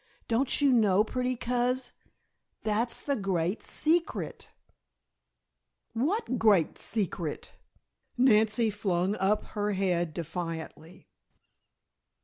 "Don't you know, pretty Coz, that's the Great Secret?" "What Great Secret?" Nancy flung up her head defiantly.